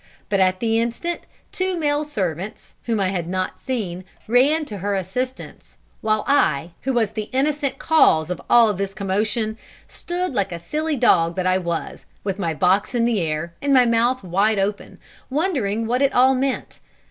But at the instant, two male servants, whom I had not seen, ran to her assistance, while I, who was the innocent cause of all this commotion, stood like a silly dog that I was, with my box in the air and my mouth wide open, wondering what it all meant.